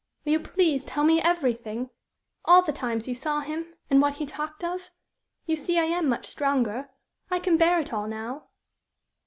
Will you please tell me everything all the times you saw him, and what he talked of? You see I am much stronger. I can bear it all now."